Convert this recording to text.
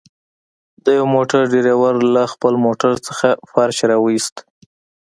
د يوه موټر ډريور له خپل موټر څخه فرش راوويست.